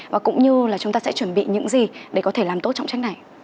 và cũng như là chúng ta sẽ chuẩn bị những gì để có thể làm tốt trọng trách này